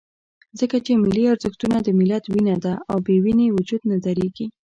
ځکه چې ملي ارزښتونه د ملت وینه ده، او بې وینې وجود نه درېږي.